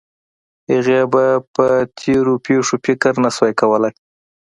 هغې به په تېرو پېښو فکر نه شو کولی